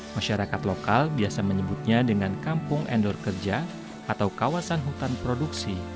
masyarakat lokal biasa menyebutnya dengan kampung endor kerja atau kawasan hutan produksi